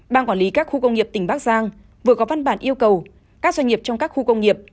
ban quản lý các khu công nghiệp tỉnh bắc giang vừa có văn bản yêu cầu các doanh nghiệp trong các khu công nghiệp